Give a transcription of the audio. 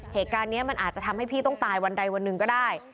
เหตุการณ์นี้มันอาจจะทำให้พี่ต้องตายวันใดวันหนึ่งก็ได้